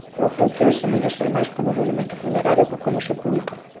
A súa función semella ser máis como monumento funerario que como sepulcro.